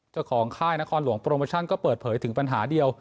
ค่ายนครหลวงโปรโมชั่นก็เปิดเผยถึงปัญหาเดียว